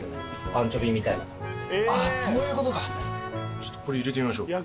ちょっとこれ入れてみましょう。